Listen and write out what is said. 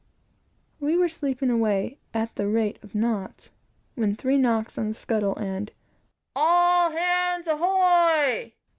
We were sleeping away "at the rates of knots," when three knocks on the scuttle, and "All hands ahoy!"